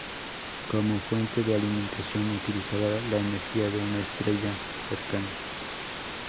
Como fuente de alimentación utilizaba la energía de una estrella cercana.